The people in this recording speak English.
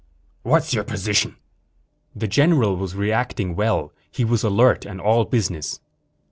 "What's your position?" the general was reacting well. He was alert and all business.